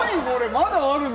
まだあるの？